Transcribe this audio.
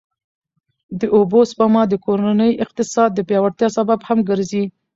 د اوبو سپما د کورني اقتصاد د پیاوړتیا سبب هم ګرځي.